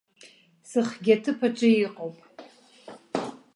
Сыхгьы аҭыԥаҿы иҟоуп.